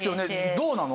どうなの？